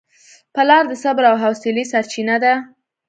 پلار د صبر او حوصلې سرچینه ده.